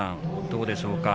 どうでしょうか。